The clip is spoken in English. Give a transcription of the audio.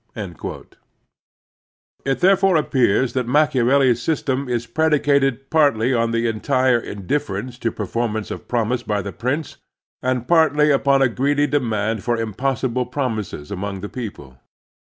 J37 138 The Strenuous Life It therefore appears that Machiavelli's system is predicated partly on the entire indifference to performance of promise by the prince and partly upon a greedy demand for impossible promises among the people.